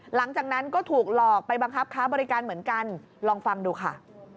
หลังจากนั้นก็ถูกหลอกไปบังคับค้าบริการเหมือนกันลองฟังดูค่ะ